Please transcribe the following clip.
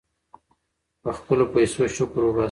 په خپلو پیسو شکر وباسئ.